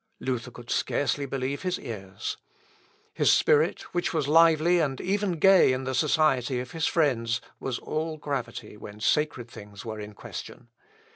Luther could scarcely believe his ears. His spirit, which was lively and even gay in the society of his friends, was all gravity when sacred things were in question.